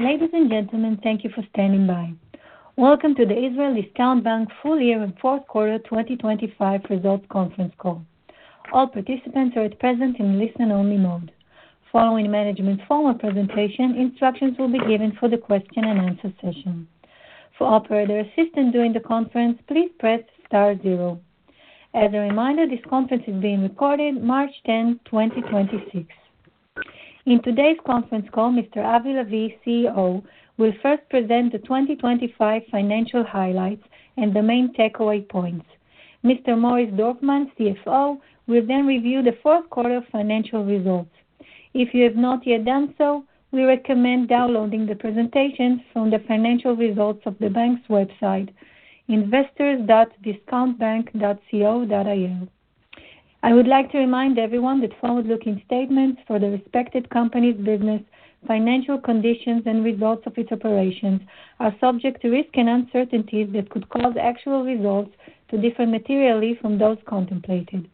Ladies and gentlemen, thank you for standing by. Welcome to the Israel Discount Bank full-year and fourth quarter 2025 results conference call. All participants are at present in listen only mode. Following management's formal presentation, instructions will be given for the question and answer session. For operator assistance during the conference, please press star zero. As a reminder, this conference is being recorded March 10th, 2026. In today's conference call, Mr. Avi Levi, CEO, will first present the 2025 financial highlights and the main takeaway points. Mr. Morris Dorfman, CFO, will then review the fourth quarter financial results. If you have not yet done so, we recommend downloading the presentations from the financial results of the bank's website, investors.discountbank.co.il. I would like to remind everyone that forward-looking statements for the respective company's business, financial conditions and results of its operations are subject to risks and uncertainties that could cause actual results to differ materially from those contemplated.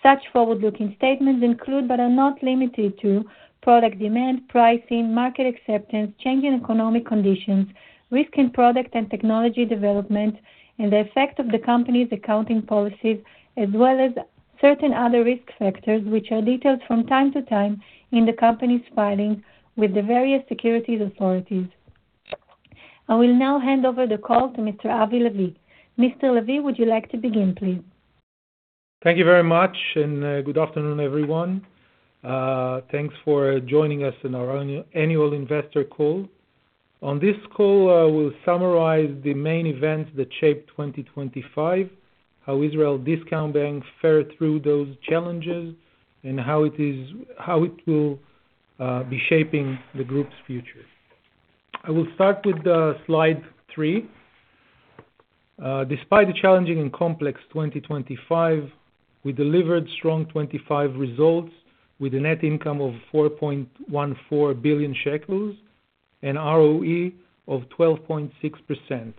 Such forward-looking statements include, but are not limited to product demand, pricing, market acceptance, changing economic conditions, risk in product and technology development, and the effect of the company's accounting policies, as well as certain other risk factors, which are detailed from time to time in the company's filings with the various securities authorities. I will now hand over the call to Mr. Avi Levi. Mr. Levi, would you like to begin, please? Thank you very much, and good afternoon, everyone. Thanks for joining us in our annual investor call. On this call, I will summarize the main events that shaped 2025, how Israel Discount Bank fared through those challenges, and how it will be shaping the group's future. I will start with Slide 3. Despite the challenging and complex 2025, we delivered strong 2025 results with a net income of 4.14 billion shekels and ROE of 12.6%.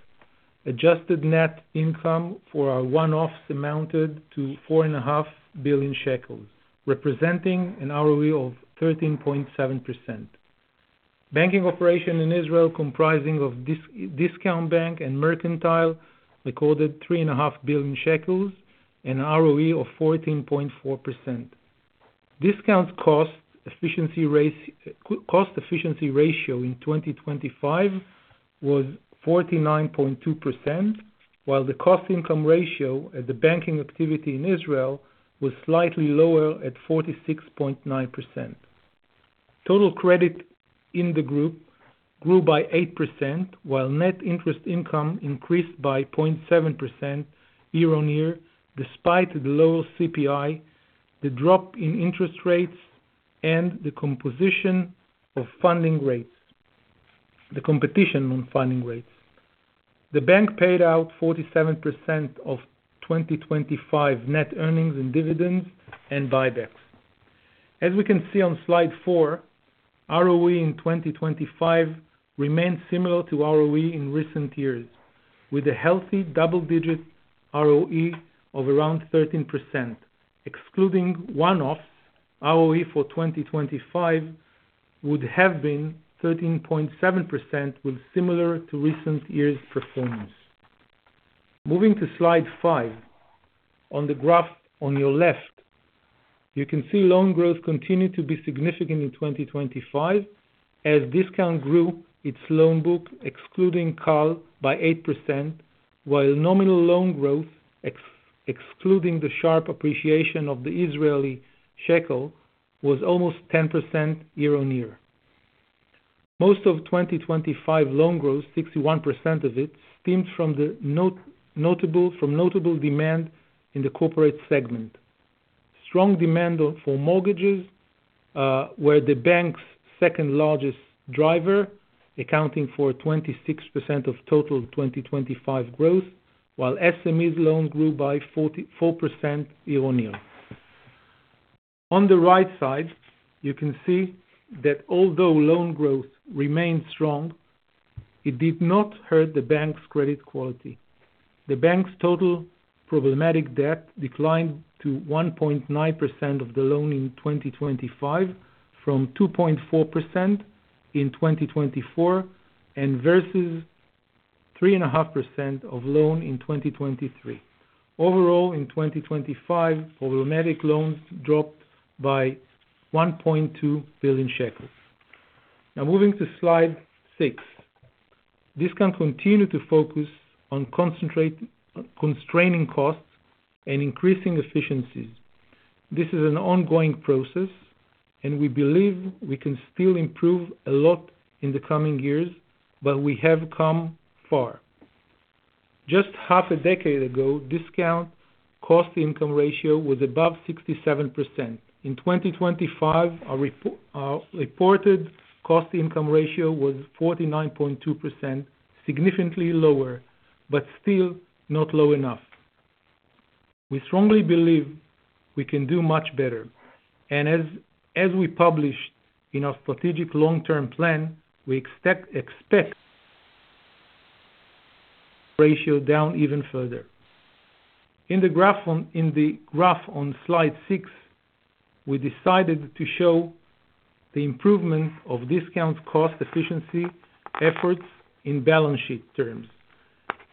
Adjusted net income for our one-offs amounted to 4.5 billion shekels, representing an ROE of 13.7%. Banking operation in Israel comprising of Discount Bank and Mercantile recorded 3.5 billion shekels and ROE of 14.4%. Discount cost efficiency ratio in 2025 was 49.2%, while the cost income ratio at the banking activity in Israel was slightly lower at 46.9%. Total credit in the group grew by 8%, while net interest income increased by 0.7% year-on-year, despite the low CPI, the drop in interest rates, and the composition of funding rates, the competition on funding rates. The bank paid out 47% of 2025 net earnings and dividends and buybacks. As we can see on Slide 4, ROE in 2025 remained similar to ROE in recent years, with a healthy double-digit ROE of around 13%. Excluding one-offs, ROE for 2025 would have been 13.7%, with similar to recent years' performance. Moving to Slide 5. On the graph on your left, you can see loan growth continued to be significant in 2025 as Discount grew its loan book, excluding Cal, by 8%, while nominal loan growth excluding the sharp appreciation of the Israeli shekel was almost 10% year-on-year. Most of 2025 loan growth, 61% of it, stemmed from notable demand in the corporate segment. Strong demand for mortgages were the bank's second-largest driver, accounting for 26% of total 2025 growth, while SME loans grew by 44% year-on-year. On the right side, you can see that although loan growth remains strong, it did not hurt the bank's credit quality. The bank's total problematic debt declined to 1.9% of the loan in 2025 from 2.4% in 2024 and versus 3.5% of loan in 2023. Overall, in 2025, problematic loans dropped by 1.2 billion shekels. Now moving to Slide 6. Discount continued to focus on concentrate constraining costs and increasing efficiencies. This is an ongoing process, and we believe we can still improve a lot in the coming years, but we have come far. Just half a decade ago, Discount cost income ratio was above 67%. In 2025, our reported cost income ratio was 49.2%, significantly lower, but still not low enough. We strongly believe we can do much better, and as we published in our strategic long-term plan, we expect ratio down even further. In the graph on Slide 6, we decided to show the improvement of Discount's cost efficiency efforts in balance sheet terms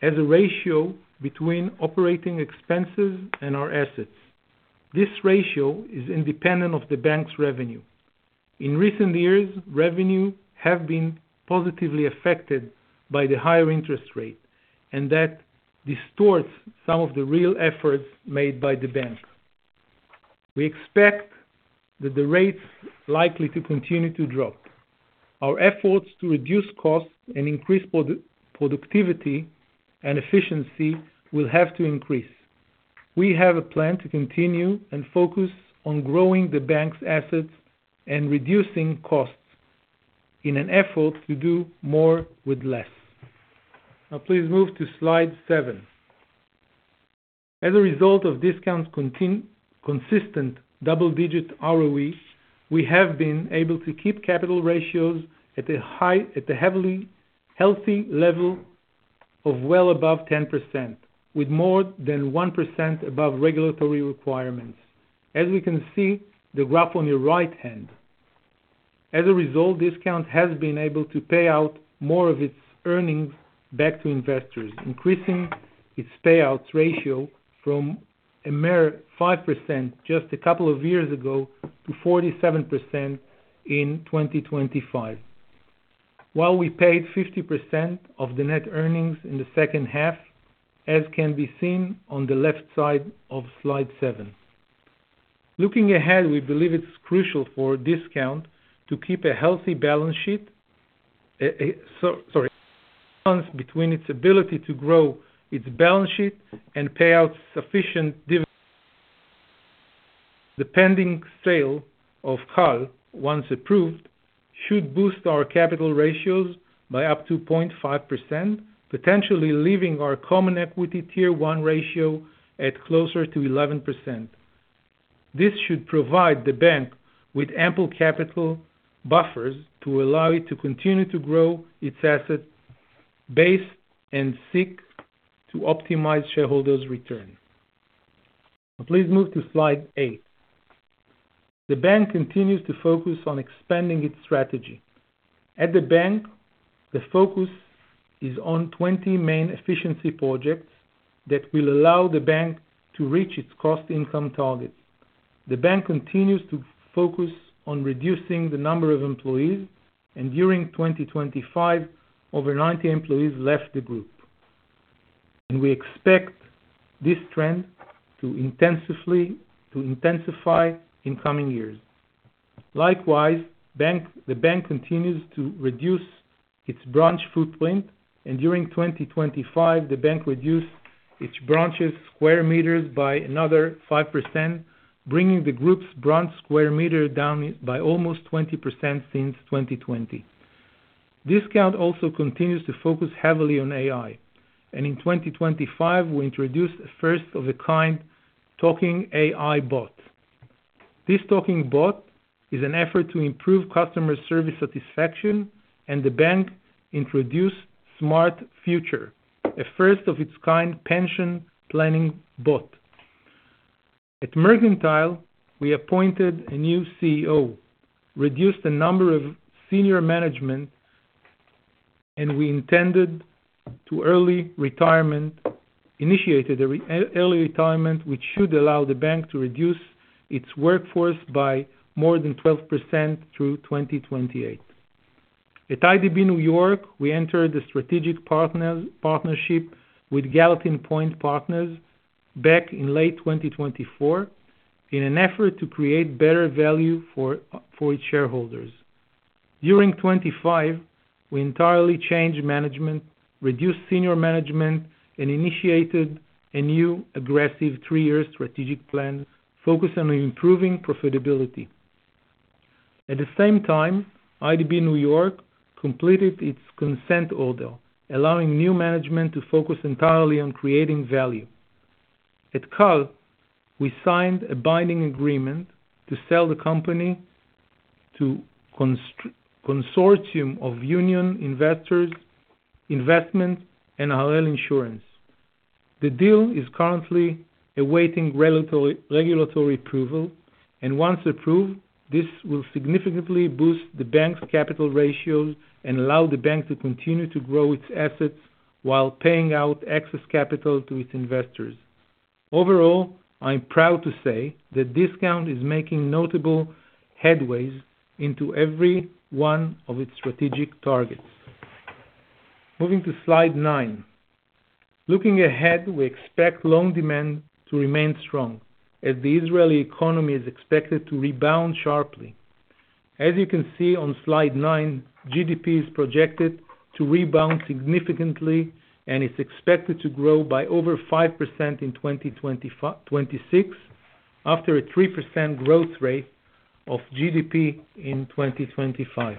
as a ratio between operating expenses and our assets. This ratio is independent of the bank's revenue. In recent years, revenue have been positively affected by the higher interest rate, and that distorts some of the real efforts made by the bank. We expect that the rates likely to continue to drop. Our efforts to reduce costs and increase productivity and efficiency will have to increase. We have a plan to continue and focus on growing the bank's assets and reducing costs in an effort to do more with less. Now please move to Slide 7. As a result of Discount's consistent double-digit ROE, we have been able to keep capital ratios at a very healthy level of well above 10%, with more than 1% above regulatory requirements. As we can see the graph on your right hand. As a result, Discount has been able to pay out more of its earnings back to investors, increasing its payouts ratio from a mere 5% just a couple of years ago to 47% in 2025. While we paid 50% of the net earnings in the second half, as can be seen on the left side of Slide 7. Looking ahead, we believe it's crucial for Discount to keep a healthy balance between its ability to grow its balance sheet and pay out sufficient divi. The pending sale of Cal, once approved, should boost our capital ratios by up to 0.5%, potentially leaving our Common Equity Tier 1 ratio at closer to 11%. This should provide the bank with ample capital buffers to allow it to continue to grow its asset base and seek to optimize shareholders' return. Please move to Slide 8. The bank continues to focus on expanding its strategy. At the bank, the focus is on 20 main efficiency projects that will allow the bank to reach its cost income targets. The bank continues to focus on reducing the number of employees, and during 2025, over 90 employees left the group. We expect this trend to intensify in coming years. Likewise, bank, the bank continues to reduce its branch footprint, and during 2025, the bank reduced its branches square meters by another 5%, bringing the group's branch square meter down by almost 20% since 2020. Discount also continues to focus heavily on AI, and in 2025, we introduced a first-of-its-kind talking AI bot. This talking bot is an effort to improve customer service satisfaction, and the bank introduced Smart Future, a first-of-its-kind pension planning bot. At Mercantile, we appointed a new CEO, reduced the number of senior management, and initiated early retirement, which should allow the bank to reduce its workforce by more than 12% through 2028. At IDB New York, we entered a strategic partnership with Gallatin Point Capital back in late 2024 in an effort to create better value for its shareholders. During 2025, we entirely changed management, reduced senior management, and initiated a new aggressive three years strategic plan focused on improving profitability. At the same time, IDB New York completed its consent order, allowing new management to focus entirely on creating value. At Cal, we signed a binding agreement to sell the company to consortium of Union Investments and Harel Insurance. The deal is currently awaiting regulatory approval, and once approved, this will significantly boost the bank's capital ratios and allow the bank to continue to grow its assets while paying out excess capital to its investors. Overall, I'm proud to say that Discount is making notable headway in every one of its strategic targets. Moving to Slide 9. Looking ahead, we expect loan demand to remain strong as the Israeli economy is expected to rebound sharply. As you can see on Slide 9, GDP is projected to rebound significantly, and it's expected to grow by over 5% in 2026 after a 3% growth rate of GDP in 2025.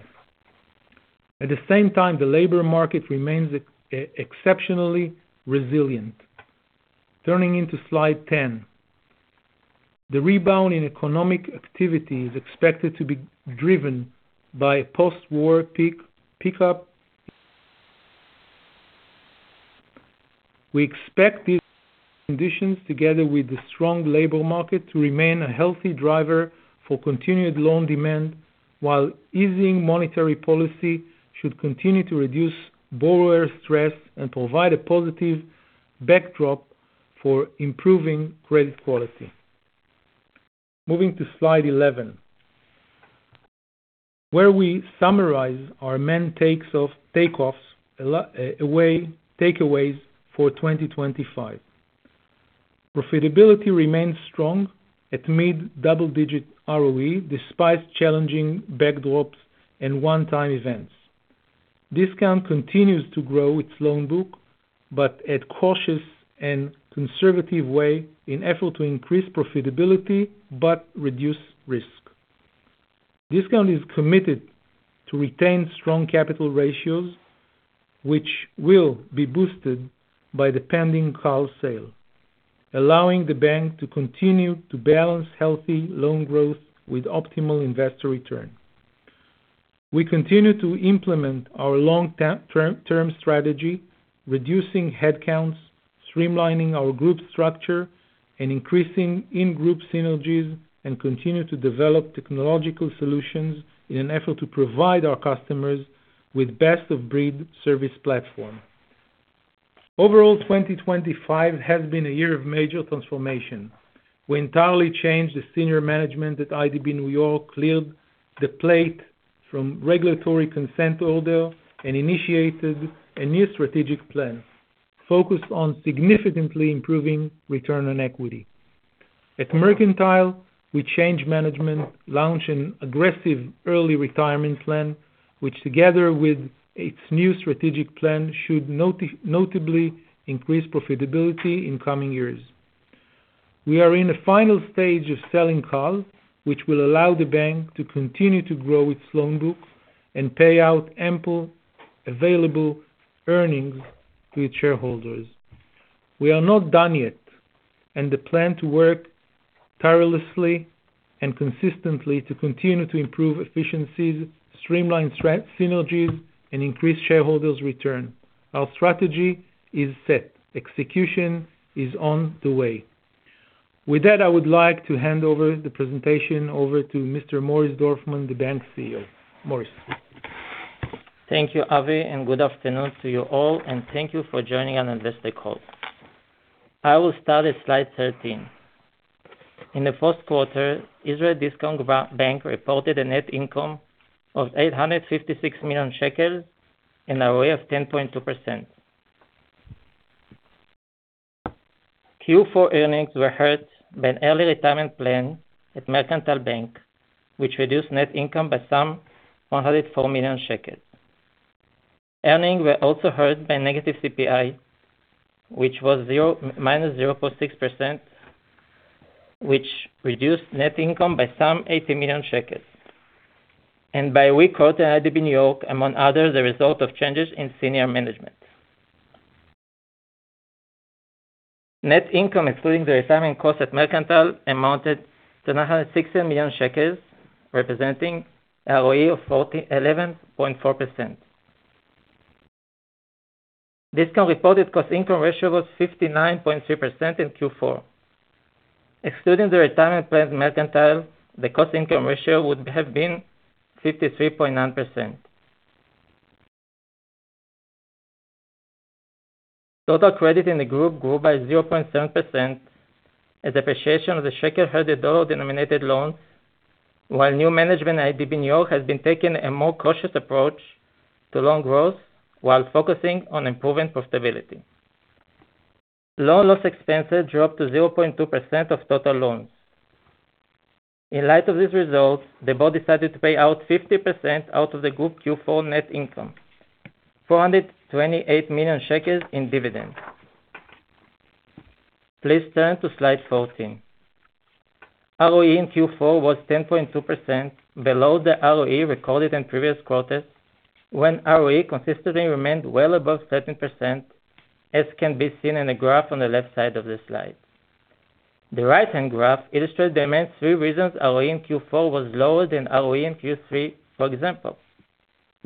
At the same time, the labor market remains exceptionally resilient. Turning to Slide 10. The rebound in economic activity is expected to be driven by post-war pickup. We expect these conditions, together with the strong labor market, to remain a healthy driver for continued loan demand, while easing monetary policy should continue to reduce borrower stress and provide a positive backdrop for improving credit quality. Moving to Slide 11, where we summarize our main takeaways for 2025. Profitability remains strong at mid-double-digit ROE, despite challenging backdrops and one-time events. Discount continues to grow its loan book, but in a cautious and conservative way in an effort to increase profitability but reduce risk. Discount is committed to retain strong capital ratios, which will be boosted by the pending Cal sale, allowing the bank to continue to balance healthy loan growth with optimal investor return. We continue to implement our long-term strategy, reducing headcounts, streamlining our group structure, and increasing in-group synergies, and continue to develop technological solutions in an effort to provide our customers with best-of-breed service platform. Overall, 2025 has been a year of major transformation. We entirely changed the senior management at IDB New York, cleared the slate of regulatory consent order, and initiated a new strategic plan focused on significantly improving return on equity. At Mercantile, we changed management, launched an aggressive early retirement plan, which together with its new strategic plan, should notably increase profitability in coming years. We are in the final stage of selling Cal, which will allow the bank to continue to grow its loan book and pay out ample available earnings to its shareholders. We are not done yet, and the plan to work tirelessly and consistently to continue to improve efficiencies, streamline synergies, and increase shareholders' return. Our strategy is set. Execution is on the way. With that, I would like to hand over the presentation to Mr. Morris Dorfman, the bank CFO. Morris. Thank you, Avi, and good afternoon to you all, and thank you for joining on investor call. I will start at Slide 13. In the first quarter, Israel Discount Bank reported a net income of 856 million shekels and ROE of 10.2%. Q4 earnings were hurt by an early retirement plan at Mercantile Discount Bank, which reduced net income by some 104 million shekels. Earnings were also hurt by negative CPI, which was minus 0.6%, which reduced net income by some 80 million shekels and by a weak quarter IDB New York, among others, the result of changes in senior management. Net income, excluding the retirement costs at Mercantile Discount Bank, amounted to 960 million shekels, representing ROE of 11.4%. Discount reported cost income ratio was 59.3% in Q4. Excluding the retirement plan at Mercantile, the cost income ratio would have been 53.9%. Total credit in the group grew by 0.7% as depreciation of the shekel hurt the dollar-denominated loans, while new management at IDB New York has been taking a more cautious approach to loan growth while focusing on improving profitability. Loan loss expenses dropped to 0.2% of total loans. In light of these results, the board decided to pay out 50% out of the group Q4 net income, 428 million shekels in dividends. Please turn to Slide 14. ROE in Q4 was 10.2%, below the ROE recorded in previous quarters, when ROE consistently remained well above 13%, as can be seen in the graph on the left side of the slide. The right-hand graph illustrates the main three reasons ROE in Q4 was lower than ROE in Q3, for example.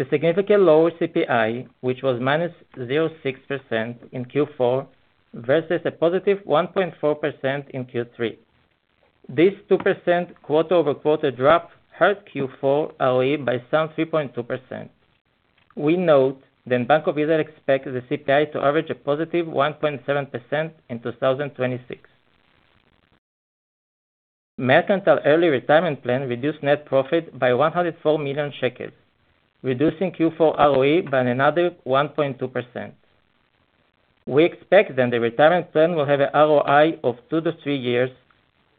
The significantly lower CPI, which was -0.6% in Q4, versus +1.4% in Q3. This 2% quarter-over-quarter drop hurt Q4 ROE by some 3.2%. We note that Bank of Israel expects the CPI to average +1.7% in 2026. Mercantile early retirement plan reduced net profit by 104 million shekels, reducing Q4 ROE by another 1.2%. We expect that the retirement plan will have an ROI of two to three years,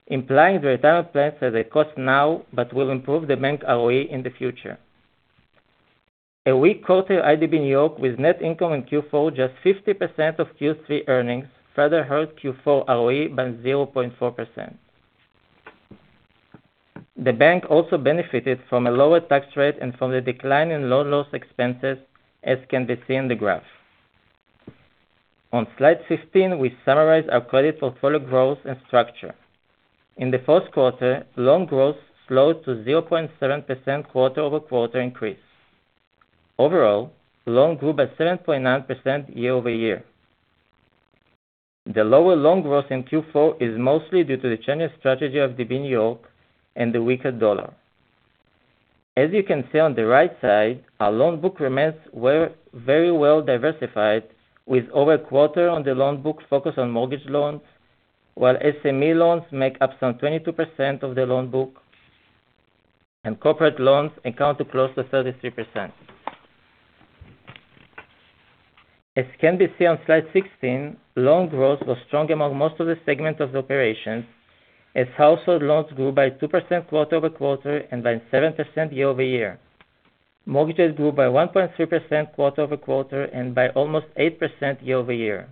implying the retirement plan has a cost now but will improve the bank ROE in the future. A weak quarter IDB New York with net income in Q4, just 50% of Q3 earnings, further hurt Q4 ROE by 0.4%. The bank also benefited from a lower tax rate and from the decline in loan loss expenses, as can be seen in the graph. On Slide 15, we summarize our credit portfolio growth and structure. In the first quarter, loan growth slowed to 0.7% quarter-over-quarter increase. Overall, loan grew by 7.9% year-over-year. The lower loan growth in Q4 is mostly due to the change of strategy of IDB New York and the weaker dollar. As you can see on the right side, our loan book remains very well diversified with over a quarter on the loan book focused on mortgage loans, while SME loans make up some 22% of the loan book, and corporate loans account for close to 33%. As can be seen on Slide 16, loan growth was strong among most of the segments of the operations, as household loans grew by 2% quarter-over-quarter and by 7% year-over-year. Mortgages grew by 1.3% quarter-over-quarter and by almost 8% year-over-year.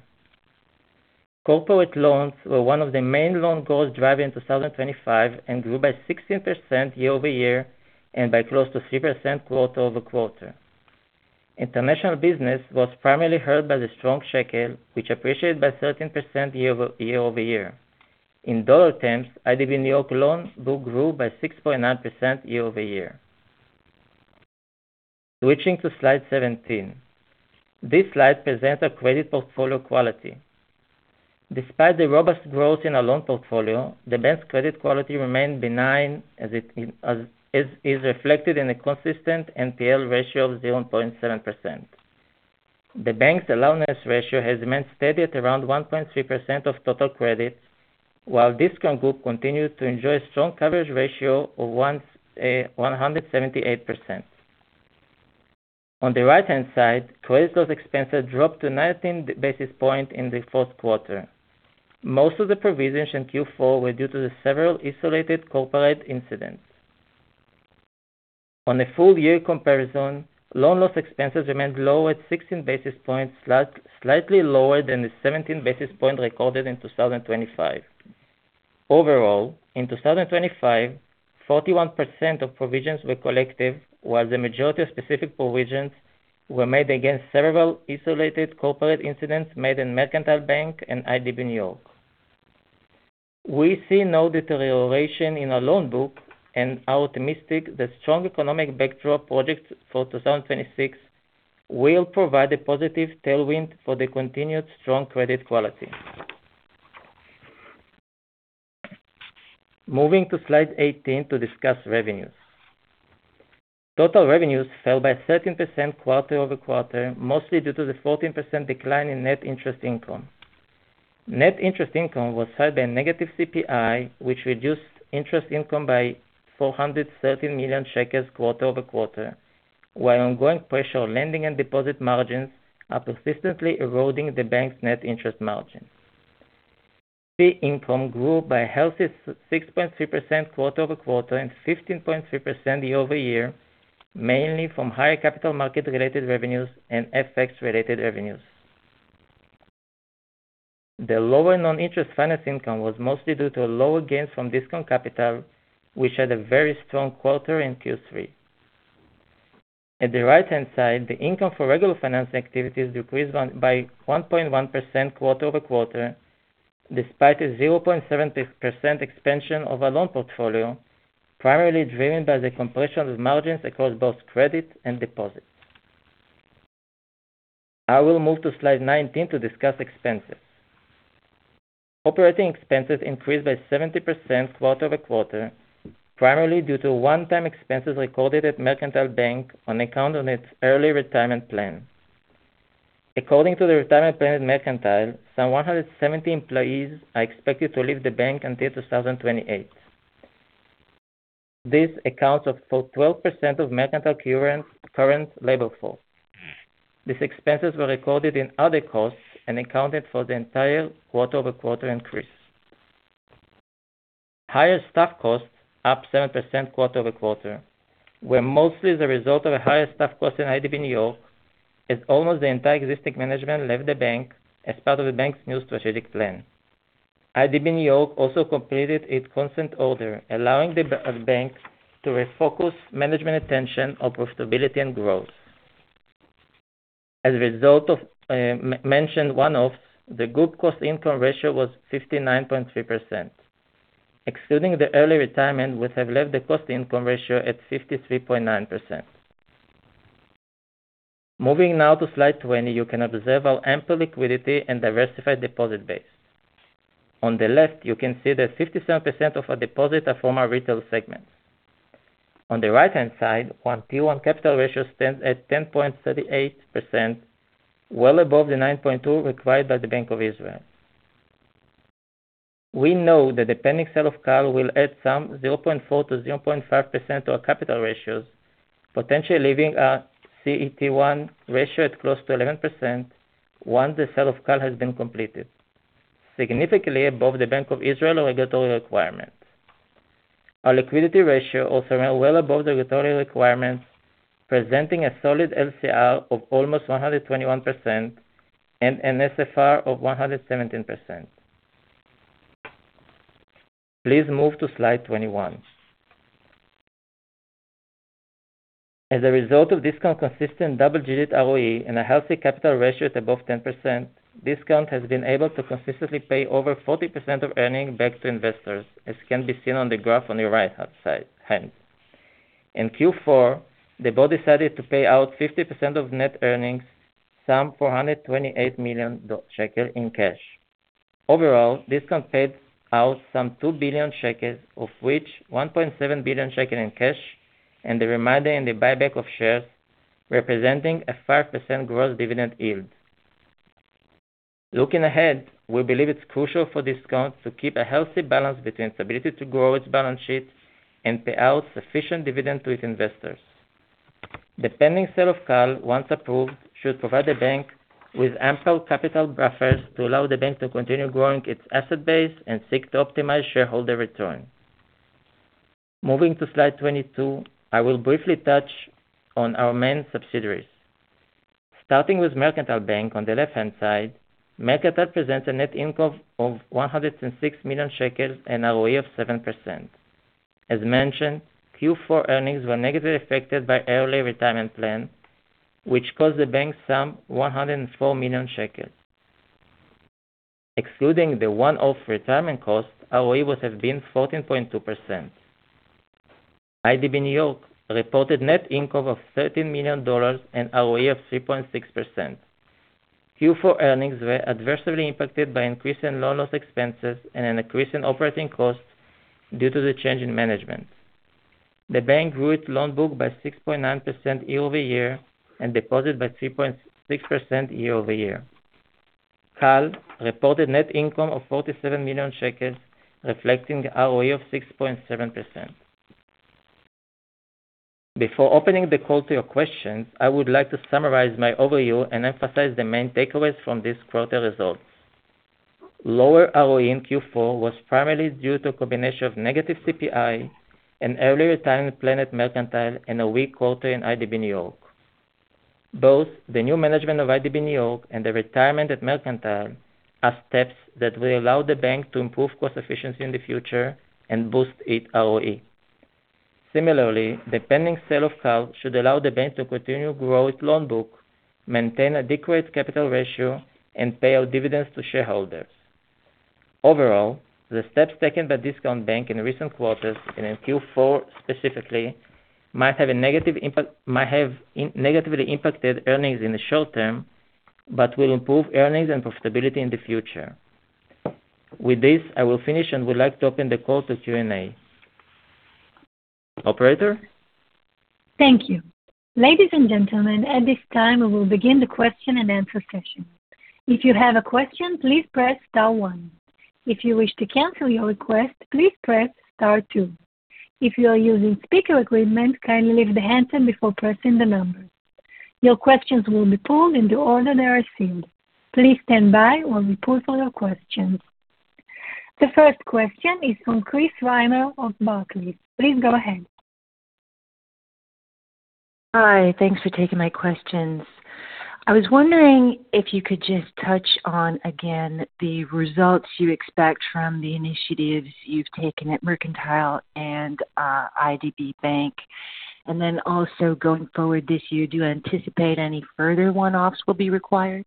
Corporate loans were one of the main loan growth drivers in 2025 and grew by 16% year-over-year and by close to 3% quarter-over-quarter. International business was primarily held by the strong shekel, which appreciated by 13% year-over-year. In dollar terms, IDB New York loan book grew by 6.9% year-over-year. Switching to Slide 17. This slide presents a credit portfolio quality. Despite the robust growth in our loan portfolio, the bank's credit quality remained benign as is reflected in a consistent NPL ratio of 0.7%. The bank's allowance ratio has remained steady at around 1.3% of total credits, while Discount Group continued to enjoy a strong coverage ratio of 178%. On the right-hand side, credit loss expenses dropped to 19 basis points in the fourth quarter. Most of the provisions in Q4 were due to several isolated corporate incidents. On a full-year comparison, loan loss expenses remained low at 16 basis points, slightly lower than the 17 basis points recorded in 2025. Overall, in 2025, 41% of provisions were collective, while the majority of specific provisions were made against several isolated corporate incidents made in Mercantile Discount Bank and IDB New York. We see no deterioration in our loan book and are optimistic the strong economic backdrop projected for 2026 will provide a positive tailwind for the continued strong credit quality. Moving to Slide 18 to discuss revenues. Total revenues fell by 13% quarter-over-quarter, mostly due to the 14% decline in net interest income. Net interest income was held by a negative CPI, which reduced interest income by 430 million shekels quarter-over-quarter, while ongoing pressure on lending and deposit margins are persistently eroding the bank's net interest margin. Fee income grew by a healthy 6.3% quarter-over-quarter and 15.3% year-over-year, mainly from higher capital market-related revenues and FX-related revenues. The lower non-interest finance income was mostly due to lower gains from Discount Capital, which had a very strong quarter in Q3. At the right-hand side, the income for regular financing activities decreased by 1.1% quarter-over-quarter, despite a 0.7% expansion of our loan portfolio, primarily driven by the compression of margins across both credit and deposits. I will move to Slide 19 to discuss expenses. Operating expenses increased by 70% quarter-over-quarter, primarily due to one-time expenses recorded at Mercantile Discount Bank on account of its early retirement plan. According to the retirement plan at Mercantile Discount Bank, some 170 employees are expected to leave the bank until 2028. This accounts for 12% of Mercantile Discount Bank's current labor force. These expenses were recorded in other costs and accounted for the entire quarter-over-quarter increase. Higher staff costs, up 7% quarter-over-quarter, were mostly the result of a higher staff cost in IDB New York, as almost the entire existing management left the bank as part of the bank's new strategic plan. IDB New York also completed its consent order, allowing the bank to refocus management attention on profitability and growth. As a result of mentioned one-offs, the group cost income ratio was 59.3%. Excluding the early retirement would have left the cost income ratio at 53.9%. Moving now to Slide 20, you can observe our ample liquidity and diversified deposit base. On the left, you can see that 57% of our deposits are from our retail segment. On the right-hand side, our Tier 1 capital ratio stands at 10.38%, well above the 9.2 required by the Bank of Israel. We know that the pending sale of Cal will add some 0.4%-0.5% to our capital ratios, potentially leaving our CET1 ratio at close to 11% once the sale of Cal has been completed, significantly above the Bank of Israel regulatory requirement. Our liquidity ratio also ran well above the regulatory requirements, presenting a solid LCR of almost 121% and an NSFR of 117%. Please move to Slide 21. As a result of Discount consistent double-digit ROE and a healthy capital ratio at above 10%, Discount has been able to consistently pay over 40% of earnings back to investors, as can be seen on the graph on your right-hand side. In Q4, the board decided to pay out 50% of net earnings, 428 million shekel in cash. Overall, Discount paid out 2 billion shekels, of which 1.7 billion shekel in cash, and the remainder in the buyback of shares, representing a 5% gross dividend yield. Looking ahead, we believe it's crucial for Discount to keep a healthy balance between stability to grow its balance sheet and pay out sufficient dividend to its investors. The pending sale of Cal, once approved, should provide the bank with ample capital buffers to allow the bank to continue growing its asset base and seek to optimize shareholder return. Moving to Slide 22, I will briefly touch on our main subsidiaries. Starting with Mercantile Discount Bank on the left-hand side, Mercantile Discount Bank presents a net income of 106 million shekels and ROE of 7%. As mentioned, Q4 earnings were negatively affected by early retirement plan, which cost the bank some 104 million shekels. Excluding the one-off retirement cost, ROE would have been 14.2%. IDB New York reported net income of $13 million and ROE of 3.6%. Q4 earnings were adversely impacted by increase in loan loss expenses and an increase in operating costs due to the change in management. The bank grew its loan book by 6.9% year-over-year and deposit by 3.6% year-over-year. Cal reported net income of 47 million shekels, reflecting ROE of 6.7%. Before opening the call to your questions, I would like to summarize my overview and emphasize the main takeaways from this quarter results. Lower ROE in Q4 was primarily due to a combination of negative CPI and early retirement plan at Mercantile and a weak quarter in IDB New York. Both the new management of IDB New York and the retirement at Mercantile are steps that will allow the bank to improve cost efficiency in the future and boost its ROE. Similarly, the pending sale of Cal should allow the bank to continue to grow its loan book, maintain a decreased capital ratio, and pay out dividends to shareholders. Overall, the steps taken by Discount Bank in recent quarters, and in Q4 specifically, might have negatively impacted earnings in the short term, but will improve earnings and profitability in the future. With this, I will finish and would like to open the call to Q&A. Operator? Thank you. Ladies and gentlemen, at this time, we will begin the question-and-answer session. If you have a question, please press star one. If you wish to cancel your request, please press star two. If you are using speaker equipment, kindly lift the handset before pressing the numbers. Your questions will be pulled in the order they are received. Please stand by while we pull for your questions. The first question is from Chris Reimer of Barclays. Please go ahead. Hi. Thanks for taking my questions. I was wondering if you could just touch on, again, the results you expect from the initiatives you've taken at Mercantile and, IDB Bank. Then also going forward this year, do you anticipate any further one-offs will be required?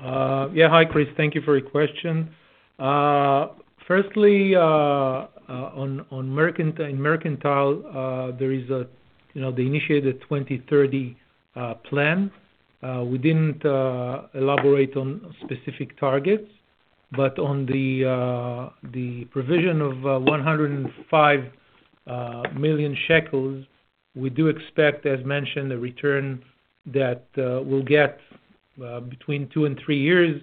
Yeah. Hi, Chris. Thank you for your question. Firstly, on Mercantile, there is, you know, they initiated 2030 plan. We didn't elaborate on specific targets, but on the provision of 105 million shekels, we do expect, as mentioned, a return that we'll get between two and three years,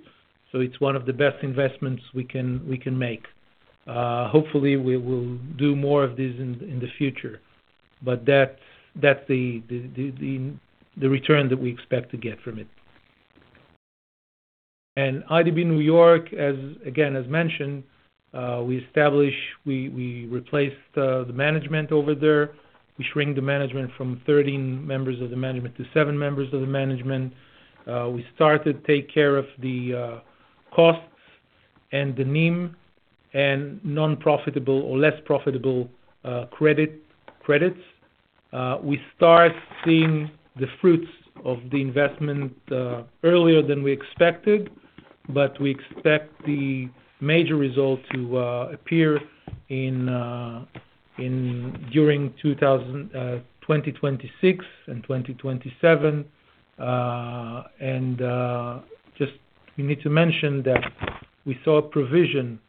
so it's one of the best investments we can make. Hopefully, we will do more of this in the future, but that's the return that we expect to get from it. IDB New York, as mentioned again, we replaced the management over there. We shrink the management from 13 members of the management to 7 members of the management. We started to take care of the costs and the NIM and non-profitable or less profitable credits. We start seeing the fruits of the investment earlier than we expected, but we expect the major results to appear during 2026 and 2027. We just need to mention that we saw a provision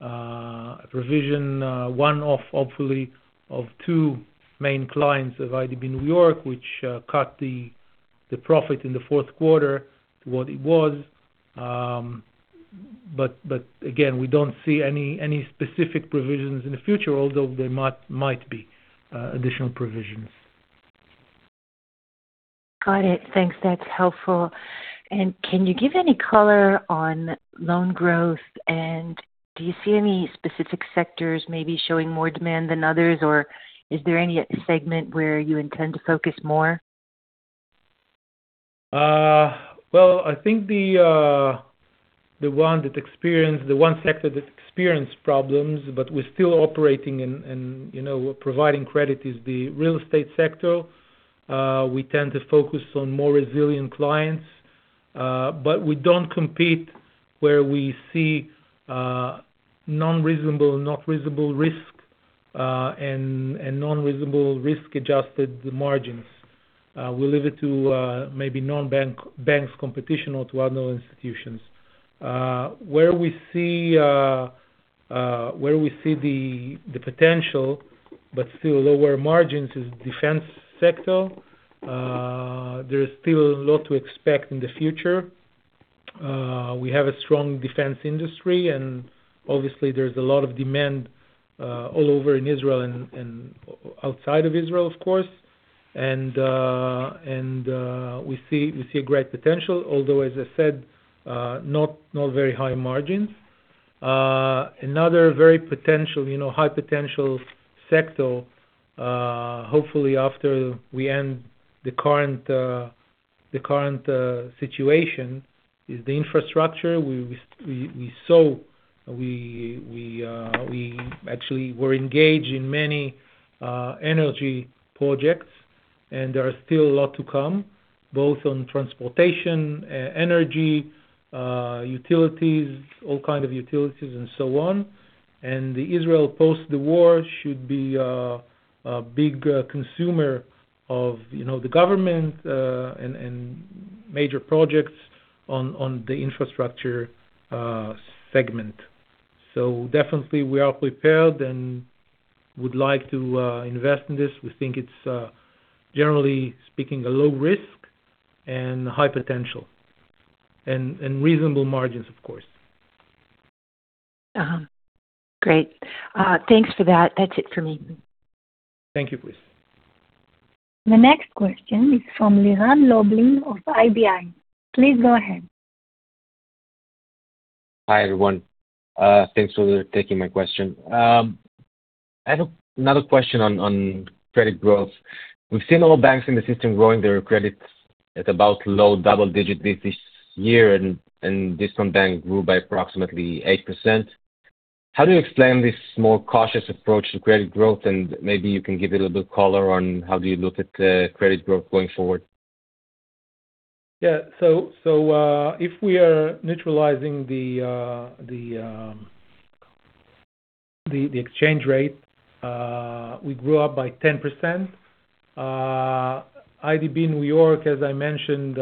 one-off, hopefully, of two main clients of IDB New York, which cut the profit in the fourth quarter to what it was. Again, we don't see any specific provisions in the future, although there might be additional provisions. Got it. Thanks. That's helpful. Can you give any color on loan growth? Do you see any specific sectors maybe showing more demand than others, or is there any segment where you intend to focus more? The one sector that experienced problems, but we're still operating and, you know, providing credit is the real estate sector. We tend to focus on more resilient clients, but we don't compete where we see unreasonable risk and unreasonable risk-adjusted margins. We leave it to maybe non-bank competition or to other institutions. Where we see the potential but still lower margins is defense sector. There is still a lot to expect in the future. We have a strong defense industry, and obviously there's a lot of demand all over in Israel and outside of Israel, of course. We see a great potential. Although, as I said, not very high margins. Another very potential, you know, high potential sector, hopefully after we end the current situation, is the infrastructure. We saw, actually, we were engaged in many energy projects, and there are still a lot to come, both on transportation, energy, utilities, all kind of utilities and so on. Israel, post the war, should be a big consumer of, you know, the government and major projects on the infrastructure segment. Definitely we are prepared and would like to invest in this. We think it's, generally speaking, a low risk and high potential and reasonable margins, of course. Uh-huh. Great. Thanks for that. That's it for me. Thank you, please. The next question is from Liran Lublin of IBI. Please go ahead. Hi, everyone. Thanks for taking my question. I had another question on credit growth. We've seen all banks in the system growing their credits at about low double digits this year, and Discount Bank grew by approximately 8%. How do you explain this more cautious approach to credit growth? Maybe you can give a little bit color on how you look at credit growth going forward. If we are neutralizing the exchange rate, we grew by 10%. IDB New York, as I mentioned,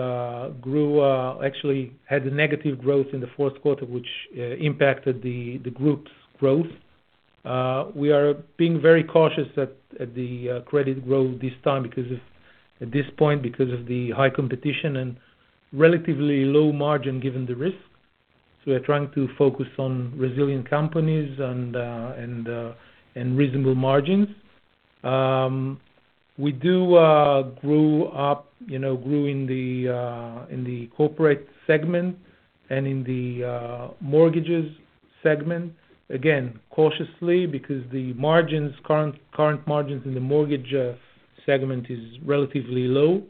actually had a negative growth in the fourth quarter, which impacted the group's growth. We are being very cautious at the credit growth this time because at this point, because of the high competition and relatively low margin given the risk. We're trying to focus on resilient companies and reasonable margins. We grew, you know, in the corporate segment and in the mortgages segment. Again, cautiously because the current margins in the mortgage segment is relatively low,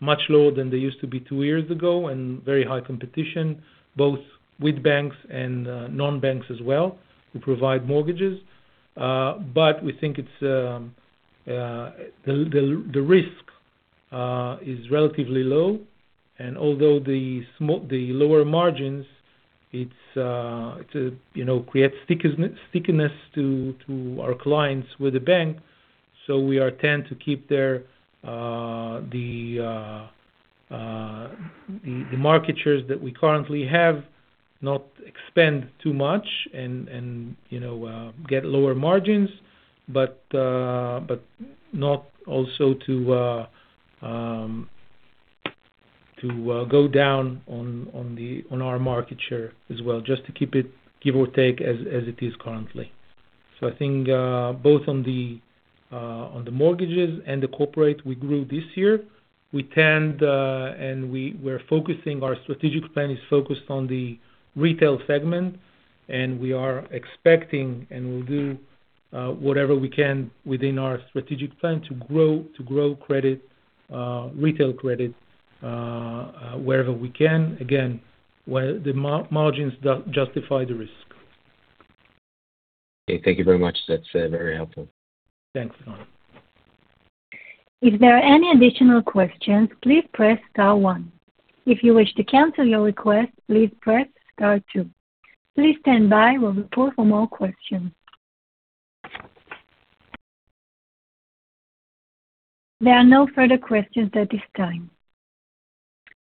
much lower than they used to be two years ago, and very high competition, both with banks and non-banks as well, who provide mortgages. We think the risk is relatively low, and although the lower margins, it creates stickiness to our clients with the bank, so we tend to keep the market shares that we currently have, not expand too much and get lower margins, but not also to go down in our market share as well. Just to keep it give or take as it is currently. I think both on the mortgages and the corporate we grew this year and we're focusing. Our strategic plan is focused on the retail segment, and we are expecting and we'll do whatever we can within our strategic plan to grow credit, retail credit, wherever we can. Again, where the margins do justify the risk. Okay. Thank you very much. That's very helpful. Thanks, Liran. If there are any additional questions, please press star one. If you wish to cancel your request, please press star two. Please stand by. We'll look for more questions. There are no further questions at this time.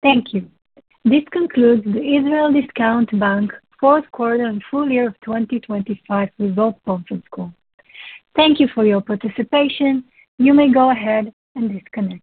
Thank you. This concludes the Israel Discount Bank fourth quarter and full-year of 2025 results conference call. Thank you for your participation. You may go ahead and disconnect.